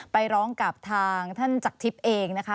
ไปร้องกับทางท่านจักรทิพย์เองนะคะ